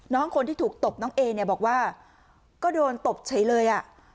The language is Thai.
น้องคนที่ถูกตบน้องเอเนี่ยบอกว่าก็โดนตบเฉยเลยอ่ะ